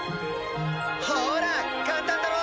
「ほら簡単だろ？」